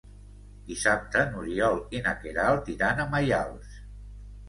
Dissabte n'Oriol i na Queralt iran a Maials.